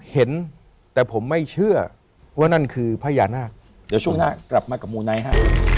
เห็นแต่ผมไม่เชื่อว่านั่นคือพญานาคเดี๋ยวช่วงหน้ากลับมากับมูไนท์ฮะ